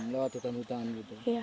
lewat jalan setapak